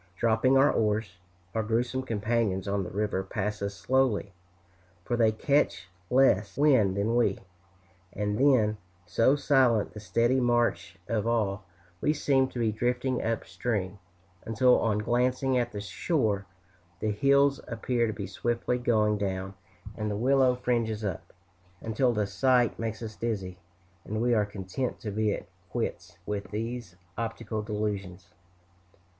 Dropping our oars, our gruesome companions on the river pass us slowly, for they catch less wind than we; and then, so silent the steady march of all, we seem to be drifting up stream, until on glancing at the shore the hills appear to be swiftly going down and the willow fringes up, until the sight makes us dizzy, and we are content to be at quits with these optical delusions.